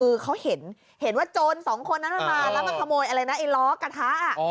คือเขาเห็นเห็นว่าโจรสองคนนั้นมันมาแล้วมาขโมยอะไรนะไอ้ล้อกระทะ